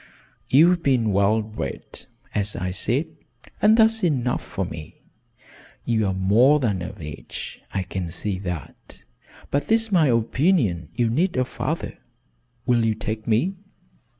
You've been well bred, as I said, and that's enough for me. You're more than of age I can see that but it's my opinion you need a father. Will you take me?"